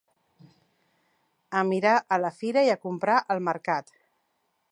A mirar a la fira i a comprar al mercat.